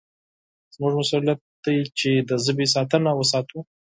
زموږ مسوولیت دی چې د ژبې ساتنه وساتو.